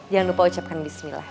jangan lupa ucapkan bismillah